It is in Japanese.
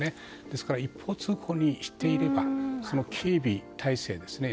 ですから、一方通行にしていれば警備態勢ですよね。